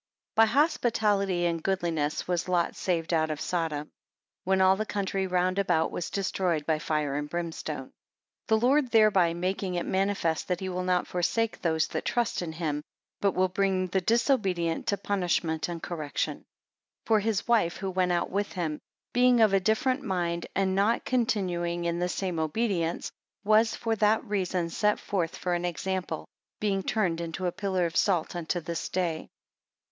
BY hospitality and goodliness was Lot saved out of Sodom, when all the country round about was destroyed by fire and brimstone. 2 The Lord thereby making it manifest, that he will not forsake those that trust in him; but will bring the disobedient to punishment and correction. 3 For his wife who went out with him, being of a different mind, and not continuing in the same obedience, was for that reason set forth for an example, being turned into a pillar of salt unto this day.